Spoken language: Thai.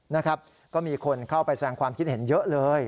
นะครับก็มีคนเข้าไปแสงความคิดเห็นเยอะเลย